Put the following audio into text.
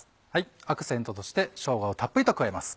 アクセントとしてしょうがをたっぷりと加えます。